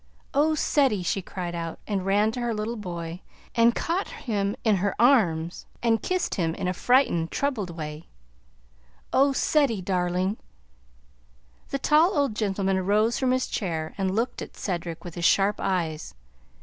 "Oh! Ceddie!" she cried out, and ran to her little boy and caught him in her arms and kissed him in a frightened, troubled way. "Oh! Ceddie, darling!" The tall old gentleman rose from his chair and looked at Cedric with his sharp eyes.